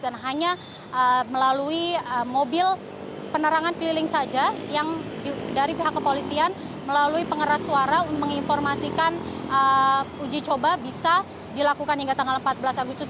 dan hanya melalui mobil penerangan keliling saja yang dari pihak kepolisian melalui pengeras suara untuk menginformasikan uji coba bisa dilakukan hingga tanggal empat belas agustus